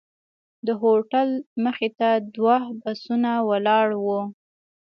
د هوټل مخې ته دوه بسونه ولاړ وو.